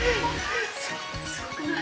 すごくない？